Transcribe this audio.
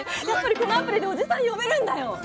やっぱりこのアプリでおじさん呼べるんだよ。